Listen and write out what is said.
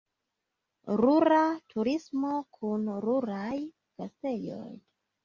Rura turismo kun ruraj gastejoj.